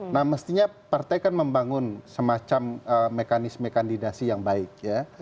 nah mestinya partai kan membangun semacam mekanisme kandidasi yang baik ya